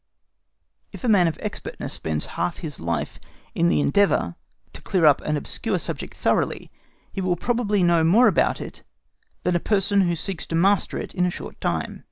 If a man of expertness spends half his life in the endeavour to clear up an obscure subject thoroughly, he will probably know more about it than a person who seeks to master it in a short time.